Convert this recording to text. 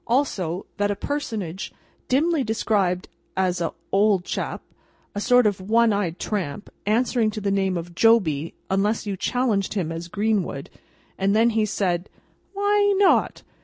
Also, that a personage, dimly described as "a hold chap, a sort of one eyed tramp, answering to the name of Joby, unless you challenged him as Greenwood, and then he said, 'Why not?